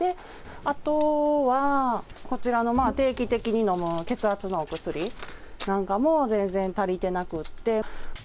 あとは、こちらの定期的に飲む血圧のお薬なんかも全然足りてなくって。